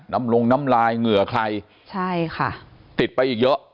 ลงน้ำลายเหงื่อใครใช่ค่ะติดไปอีกเยอะ